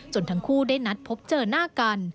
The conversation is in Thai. ทั้งคู่ได้นัดพบเจอหน้ากัน